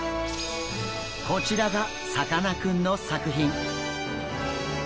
こちらがさかなクンの作品。